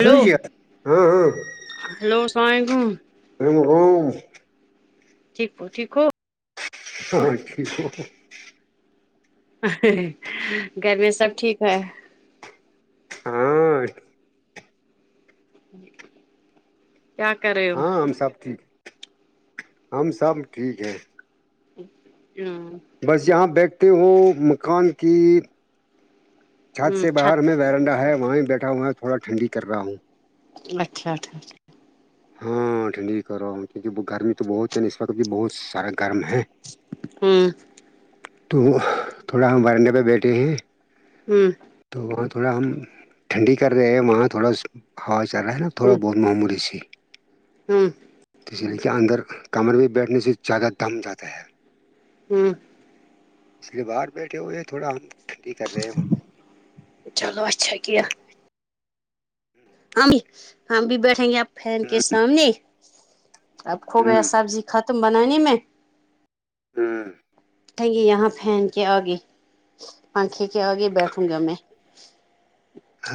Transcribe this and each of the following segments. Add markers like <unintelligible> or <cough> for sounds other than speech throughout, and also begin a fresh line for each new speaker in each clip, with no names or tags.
س
ہلو
ہاں ہاں
ہلو السلام علیکم
ہملوم
ٹھیک کو ٹیک ہو
ہاں کییک
گھر میں سب ٹھیک ہے
ہاں
ج کیا کر رہے
ہاں ہم سب ٹھیک ہم سب ٹھیک ہیں
ہاں
بس یہاں بیٹھتے ہو مکان کی چھات سے باہر ہم
چھت
ویرنڈا ہے وہیں بیٹھا ہوا ہے تھوڑا ٹنڈی کر رہا ہوں
اچھا اچھاچ
ہاں ٹھنڈی کروا کیونکہ گرمی تو بہت ہے اس وقت بھی بہت سارا گرم ہے
ہمم
تو تھوڑا ہم ورنڑے پہ بیٹھے گے
ہمم
تو وہاں تھوڑا ہم ٹھنڈی کر رہے ہیں وہاں تھوڑا ہوا چل رہی ہے نا تھوڑا بہت معلومی سی
ہمم
تو اس لیے کہ اندر کمر ےمیں بیٹھنے سے زیادہ دم جاتا ہے
ہمم
اس لیے باہر بیٹھے ہوئے تھوڑا ہم ڑھنڑی کر رہے ہیں
چلو اچھا کیا ہم بھی ہم بھی بیٹھیں گے آپ فین کے
ہوں،
سامنے اب کھو گیا
ہوں،
سبزی ختم بنانی میں
ہمم
بیڑھے یہاں فین کے آگے پنکھے کے آگے بیٹھوں گا میں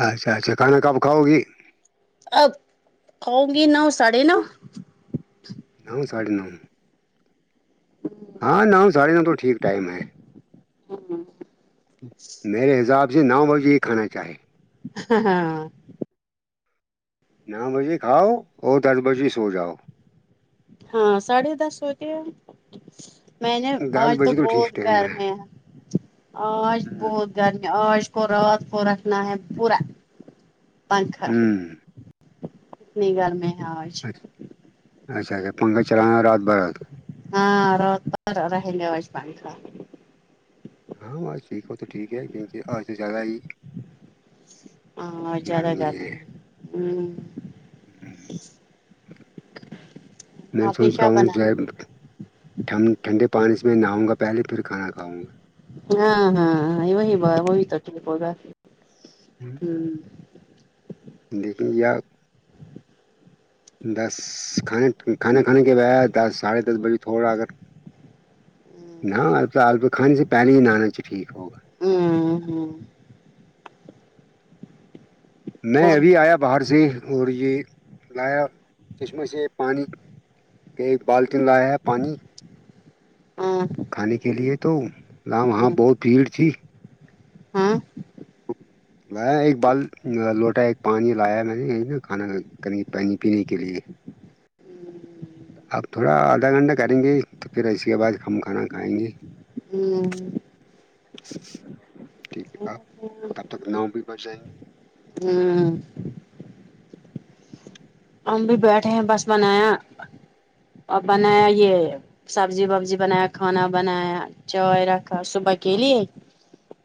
اچھا اچھا کھانا کب کھاؤ گی
اب کھاوں گی نو ساڑے نو
نو ساڑھے نو
<unintelligible>
ہاں نو ساڑھے نو ٹھیک ٹائم ہے
ہمم
میرے حساب سے نو بجے ہی کھانا چاہے
ہاں ہاں ہاں
نو بجے کھاو اور دس بجے سو جاؤ
ہاں ساڑھے دس سوتے ہیی میں نے
دس
آج تو
بجے
بہت
ٹھیک ٹائم ہے
گرم ہیں آج
ہوں،
بہت گرمی آج کو رات پورا رکھنااہ پورا پنکھا
ہوں.
اتنی گھر میں ہےآج
اچھا اچھا پنکھا چلا رات بھر
<unintelligible>
ہاں ٹھیک ہے تو ٹھیک ہے کیونکہ آج زیادہ ہی
آج زیادہ
گرمی ہے
گرم ہے
میں
آپ نے
سوچ رہا
کیا بنا
ہوں ٹھنڈے پانی سے میں نہاوں گا پہلے پھر کھانا کھاوں گا
ہاں ہاں ہاں وہی بات وہی تک ٹھیک ہوگا
<unintelligible>
ہمم
لیکن یا دس کھانا کھانے کے بعد دس ساڑھے دس بجے تھوڑا اگر نا کھاںے سے پہلے ہی نہانا ٹھیک ہوگا
ممم
میں
اور
ابھی آیا باہر سے اور یہ لایا چشمہ سے پانی ایک بالٹن لایا پانی
ہمم
کھانے کے لیے تو نا وہاں بہت بھیڑ تھی
ہاں <inaudible>
میی ایک بال لوٹا ایک پانی لایا میں نے کھانا ک پانی پینے کے لیے آپ تھوڑا آدھا گھنٹہ کریں گے تو پھر اس کے بعد ھم کھانا کھائیں گے
ہمم
ٹھیک ہے آپ کب تک نو بھی بج جائیں گے
ہمم ہم بھی بیٹھے ہیں بس بنایا اور بنایا یہ سبزی وبزی بنایا کھانا بنایا چائے رکھا صبح ا کے لیے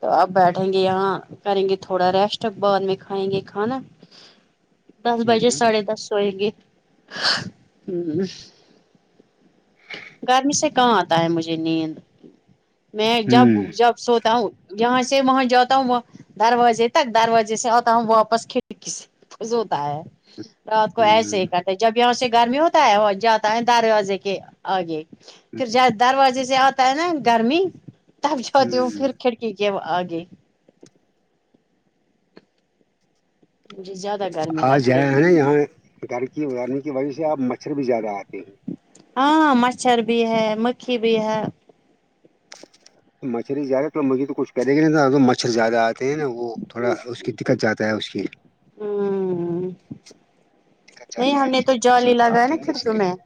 تو اپ بیٹھیں گے یہاں کریں گے تھوڑا ریسٹ بعد میں کھائیں گے کھانا دس بجے
ہ
ساڑھے دس ہویں گے ہ گرمی سے کہاں آتا ہے مجھے نیند میں جب
ہ
جب سو ہوں یہاں سے وہاں جاتا ہوں وہ دروازے تک دروازے سے آتا ہوں واپس کھڑکی سے س ہوتا ہے کو ایسے
ہ
ہی کرتا ہے جب یہاں سے گرمی ہوتا ہے وہ جاتا ہے دروازے کے آگے پھر ج دروازے سے آتا ہے نا گرمی تب جاتی ہوں
ہ ہ
پھر کھڑک ٹھیک ہے آگے جی زیادہ کر
آج جائ ہیں یہاں گھر کی ازارنے کی وجہ سے آب مچھر بھی زیادہ آتے ہیں
ہاں مچھر بھی ہے مکھی بھی ہے
مچھر ہی زیادہ تو مج تو کچھ کریں گی نہیں مچھر زیادہ آتے ہیں نا وہ تھوڑا اس کی دقت جیادہ تا ہے اس کی
ہ
دقت
نہیں
جاتا
ہم
ہے
نے
کہ
تو جال ہی
مچھر
لگایا
کاٹتے
نا
نہیں اس
کھڑکیوں میں
لیے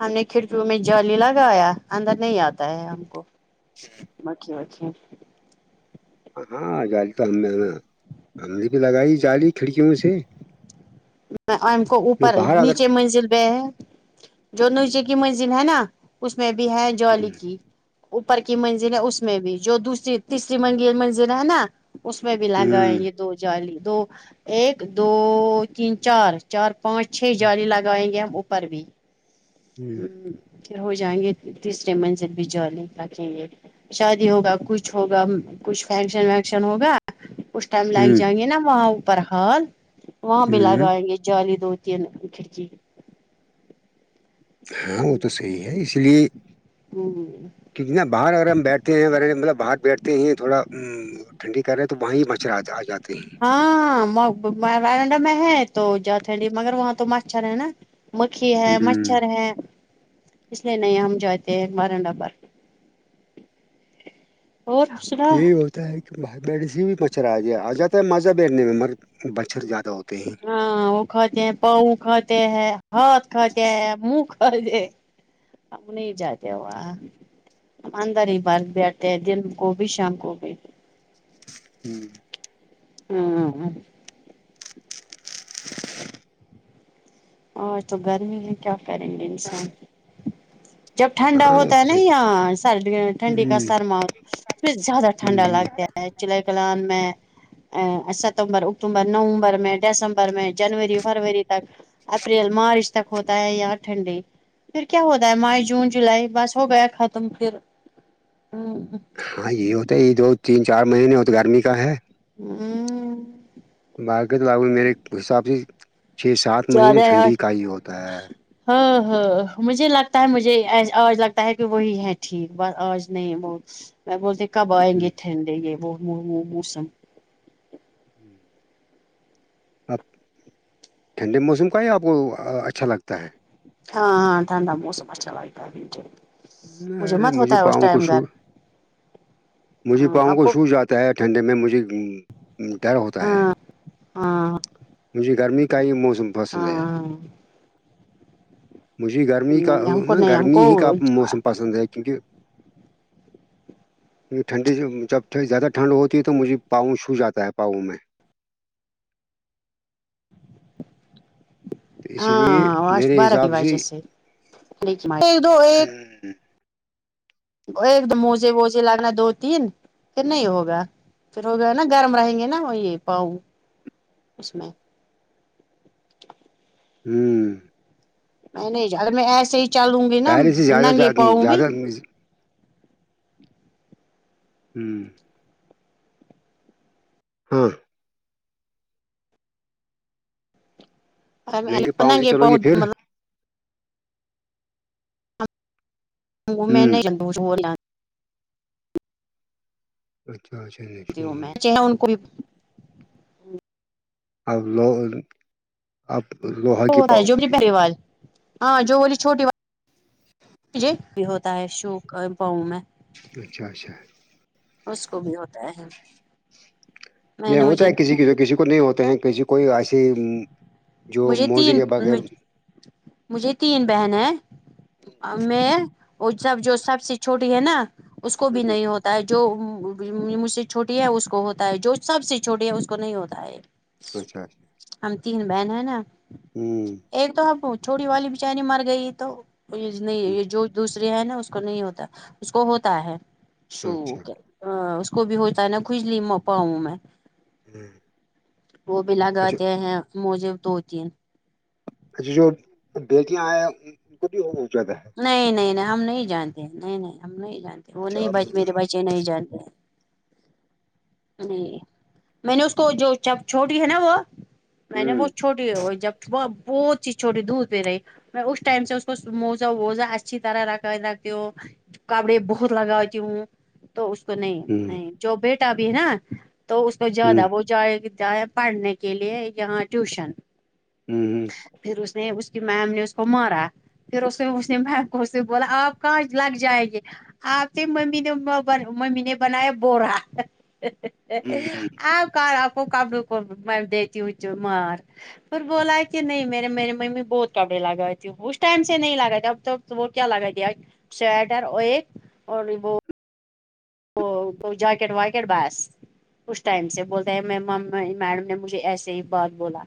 ہم نے کھڑکیوں میں جلی لگایا اندر نہیں آتا پتا ہے ہم کو مکھی وک
ہاں جالی تو ہم نا ہم نے بھی لگائی جالی کھڑکیوں سے
ا کو
میں
اوپر
باہر اگر
نیچے منزل پہ ہے جو نیچے کی منزل ہے نا اس میں بھی ہیں
ہوں
جوال کی اوپر کی منزل ہے اس میں بھی جو دوسری تیسری من منزل ہے نا اس میں بھی لہنگائے یہ دو جالی دو ایک دو تین چار چار پانچ چھ جالی لگائیں گے ہم اوپر بھی
ہوں
ہ پھر ہو جائیں گے تیسرے منزل بھی جالگ رکھیں گے شادی ہوگا کچھ ہوگا کچھ فنکشن ونکشن ہوگا اس ٹائم لائگ
ہوں
جائیں گے نا وہاں اوپر حال وہاں بھی لگ
ہوں
آئیں گے جالی دو تین کھڑکی
ہاں وہ تو صحی ہے اس لیے کیک نہ باہر اگر ہم بیٹھتے ہیںغ مطلب باہر بیٹھتے ہیں تھوڑا تو ٹھنڈی کر رہے ہیں تو وہاں ہی مچھر آ آ جاتے ہیں
ہاں بارنڈہ میں ہے تو جتھنڈی مگر وہاں تو مچھر ہے نا مکھی ہے
ہ
مچھر ہے اس لیے نہیں ہم جاتے ہیں باران ڈبر اور سنا
یہی ہوتا ہے کہ بھائی بیڑ سے بھی مچھر آ گیا آ جاتا ہے مذا بیٹنے میں مگر مچھر زیادہ ہوتے ہیں
ہاں وہ کھاتے ہیں پاؤ کھاتے ہیں ہاتھ کھاتے ہیں منہ کھاتے ہم نہیں جاات اننداری بر بیٹھ ہے دن کووب شام کووب
ہوں
ہاں ہاں
گھ
اور تو گرمی میں کیا کریں گے انسان جب ٹھنڈا
ہاں
ہوتا ہے نا
ہ
یااں سردی ٹھنڈی کا
ہ
سرما ہو ہے اس زیادہ ٹھنڈا لگتا ہے ج چلہ کلان میں ا ستمبر اکتوبر نومبر میں دسمبر میں جنوری فروری تک اپریل مارچ تک ہوتا ہے یار ٹھنڈ پھر کیا ہوتا ہے مار جون جولائی بس ہو گیا ختم پھر ہ ہ
ہاں یہ ہوتا ہے یہ دو تین چار مہینے ہو تو گرمی کا ہے
ہوں
باق تو باگ میرے حساب سے چھ سات
زیادہ
مہینے
یہاں
ٹھنڈی کا ہی ہوتا ہے
ہاں ہاں مجھے لگتا ہے مجھے آج لگتا ہے کہ وہی ہے ٹھیک ب آج نہیں وہ میں بولتے کب آئیں گے تھےے یہ وہ موسم
ہوں اب ٹھنڈے موسم کا ہی آپ کو اچھا لگتا ہے
ہاں ہاں ٹھنڈا موسم اچھا لگتا مجھے
ارے
مت ہوتا ہے اس
پاؤں کو
ٹائم
شو
گھر
مجھے
ہاں
پاؤں
آپ
کو سو جاتا ہے ٹھنڈے میں مجھے ڈر ہوتا ہے
ہاں ہاں
مجھے گرمی کا ہی موسم پسند ہے
ہاں
مجھے گرمی کا
نہیں ہم کو
نا
نہیں ہم
گرمی
کو
ہی کا موسم پسند ہے کیونکہ ٹھنڈی جب زیادہ ٹھنڈ ہوتی ہے تو مجھے پاؤ چھو جاتا ہے پاؤں میں تو اسی لیے
ہاں آ
میرے
بارہ کی
حساب
واجہ سے دو
ہوں
ایک دم موزے ووجے لگنا دو تین پھر نہیں ہوگا پھر ہو گیا ہے نا گرم رہیں گے نا وہ یہ پاؤں اس میں
ہوں
میں نہیں میں ایسے ہی چلوں گی نا
پہلے سے زیادہ
ننگے
زیادہ
پاؤں گی
زیادہ- ہوں ہاں نہیں کہ پاؤں سے ہی چلو گی پھر
مطلب میں
ہوں
نے جنندو چور لا
اچھا اچھا نہیں سووں
کوئی
اور لو اب لوہا کی پاؤ
جو مے وال ہاں جو بولی چھوٹی وال م بھی ہوتا ہے شوک پاؤں میں
اچھا اچھا
اس کو بھی ہوتا ہے میں
یہ
نے
ہوتا
مجھے
ہے کسی
نہیں
کی جو کسی کو نہیں ہوتا ہیں کہسی کوئی ایسی جو
مجھے
موزے
تین
کے بغیر
مجھے تین بہن ہے میں وہ سب جو سب سے چھوٹی ہے نا اس کو بھی
اچھا
نہیں ہوتا ہے جو مجھ سے چھوٹی ہے اس کو ہوتا ہے جو سب سے چھوٹی ہے اس کو نہیں ہوتا ہے
اچھا اچھا
ہم تین بہن ہیں نا
ہوں
ایک تو ہمب چھوٹیی والی بچاری مر گئی تو نہیں یہ جو دوس نا اس کو نہیں ہوتا اس کو ہوتا ہے شو
اچھا
اس کو بھی ہوتا ہے نا کج لی پاؤں میں
ہوں،
وہ بھی
اچھا
لگاتے ہیں موجے تو ہوتی ہیں
اچ جو بیٹیاں آئے ان کو بھی ہو جاتا ہے
نہیں نہیں نہیں ہم نہیں جانتے نہیں نہیں ہم نہیں جانتے وہ
اچھا
نہیں
آپ
میرے
ہوں
بچے نہیں جانتے نہیں میں نے اس کو جو جب چھوٹی ہے نا وہ میں نے وہ چھوٹی وہ جب بہت چی چھوٹی دور پہ رہی میں اس ٹائم سے اس کو موزہ ووزہ اچھی طرح رکھ رکھتی ہو کپڑے بہت لگاتی ہوں تو اس کو نہیں
ہوں
نہیں جو بیٹا بھی ہے نا تو اس کو
ہوں
زیادہ وہ جائے جائے پڑھنے کے لیے یہاں ٹیوشن
ہوں ہوں
پھر اس نے اس کی میم نے اس کو مارا پھر اس نے اس نے م کو اس سے بولا آپ کہاں لگ جائیں گے آپتے ممی نے ب ممی نے بنایا بوورا
ہوں
آ ک آپ کو کبڑوں کو دیتی ہو مار پھر بولا کہ نہیں میرے میری ممی بہت کپڑے لگای تھی اس ٹائم سے نہیں لگا تے اب تو تو وہ کیا لگا دیا سویٹر اور ایک اور وہ تو جاکٹ واکٹ باس اس ٹائم سے بولتا ہیں میں میڈم نے مجھے ایسے ہی بات بولا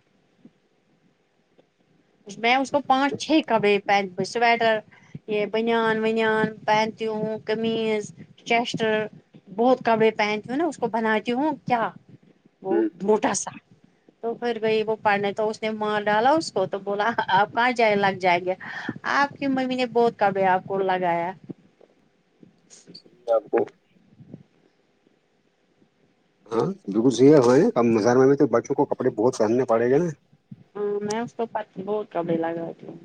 میں اس کو پانچ چھ کب پہن سویٹر یہ بنیان ونیان پینتیوں قمض چیس بہت کپڑے پہنتی ہوں نا اس کو بناتی ہوں کیا
ہوں
بہت موٹا سا تو پھر بئی وہ پڑھنے تو اس نے مار ڈالا اس کو تو بولا آپ کہاں جائے لگ جائیں گے آپ کی ممی نے بہت کبھی آپ کو لگایا
ج آب کو ہاں بالکل صحی ہوا کم مزار میں بھی تو بچوں کو کپڑے بہت پہننے پڑیں گے نا
ہاں میں اس تو پچ بہت کپے لگا ت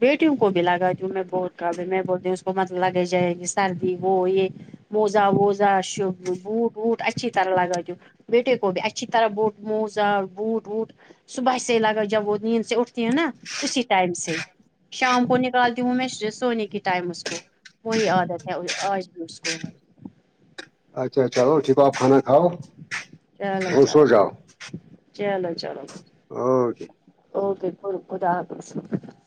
بیٹیوں کو بھی لگای ہوں میں ب بھی میں بولتی ہوں اس کو مطلب لگی جائے گ سردی وہ یہ موزہ ووزہ ش بوٹ ووٹ اچھی طرح لگا دوں بیٹے قبی اسھی طرح بوٹ موزا بوٹ ٹوٹ صبح سے لگا جب وہ نیند سے اٹھتی ہے نا اسی ٹائم سے <unintelligible> شام کو نکالتی ہوں میں سونے کی ٹائم اس کو وہی عادت ہے آج بھی اس کو ہے
اچھا چل ٹھیک آپ کھانا کاؤ
چلو چلو چلو چلو
اور
اوکے ب خدا آ کرش <unintelligible>